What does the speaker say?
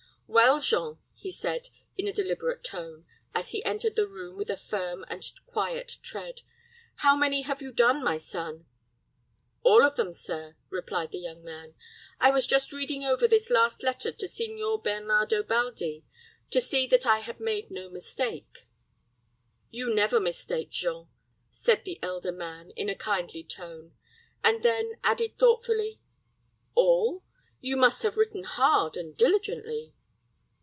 "Well, Jean," he said, in a deliberate tone, as he entered the room with a firm and quiet tread, "how many have you done, my son?" "All of them, sir," replied the young man. "I was just reading over this last letter to Signor Bernardo Baldi, to see that I had made no mistake." "You never mistake, Jean," said the elder man, in a kindly tone; and then added, thoughtfully, "All? You must have written hard, and diligently."